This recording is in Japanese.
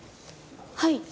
はい。